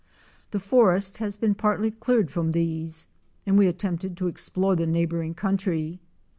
The forest has been partly cleared from these and we attempted to explore the neighboring country.